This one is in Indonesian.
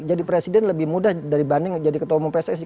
jadi presiden lebih mudah dari banding jadi ketua umum pssi